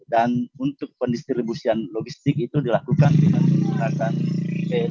dan untuk pendistribusian logistik itu dilakukan dengan penggunaan tni